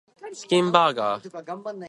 チキンハンバーガー